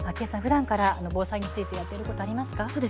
ふだんから防災についてやっていることありますか。